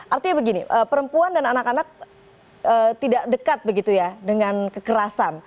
artinya begini perempuan dan anak anak tidak dekat begitu ya dengan kekerasan